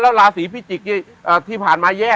แล้วราศีพี่จิกที่ผ่านมาแย่